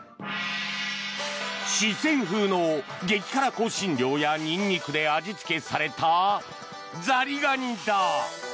四川風の激辛香辛料やニンニクで味付けされたザリガニだ。